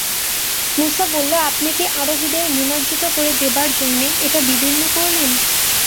মূসা বলল, আপনি কি আরোহীদের নিমজ্জিত করে দেবার জন্যে এটা বিদীর্ণ করলেন?